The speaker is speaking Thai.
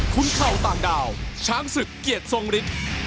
คุณเข่าต่างดาวช้างศึกเกียรติทรงฤทธิ์